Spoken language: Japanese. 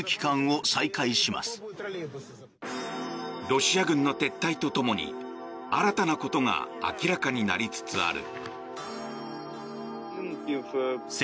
ロシア軍の撤退とともに新たなことが明らかになりつつある。